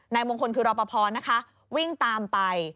นายมงคลคือรอปภวิ่งตามไป